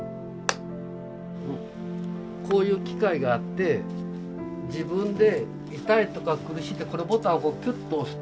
こういう機械があって自分で痛いとか苦しい時にこれボタンをキュッと押すと。